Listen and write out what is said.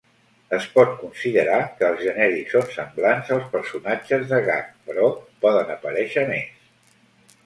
Es pot considerar que els genèrics són semblants als personatges de gag, però poden aparèixer més.